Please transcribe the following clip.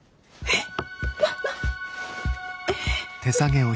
えっ。